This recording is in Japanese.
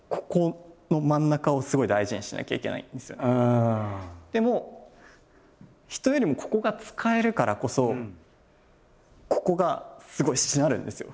だからでも人よりもここが使えるからこそここがすごいしなるんですよ。